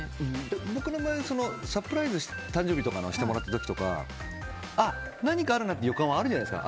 僕の場合はサプライズしてもらった時とか何かあるなって予感はあるじゃないですか。